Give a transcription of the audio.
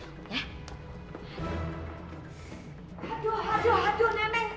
aduh aduh aduh nenek